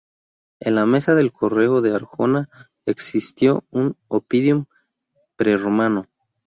En la meseta del cerro de Arjona existió un oppidum prerromano.